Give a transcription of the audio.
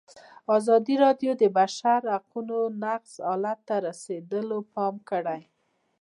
ازادي راډیو د د بشري حقونو نقض حالت ته رسېدلي پام کړی.